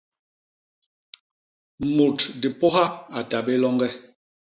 Mut dipôha a ta bé loñge.